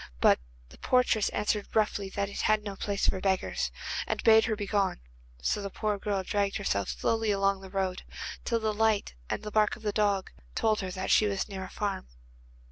But the portress answered roughly that it was no place for beggars, and bade her begone, so the poor girl dragged herself slowly along the road, till a light and the bark of a dog told her that she was near a farm.